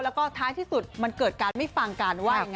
แล้วก็ท้ายที่สุดมันเกิดการไม่ฟังกันว่า